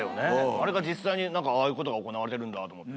あれが実際にああいうことが行われてるんだと思って。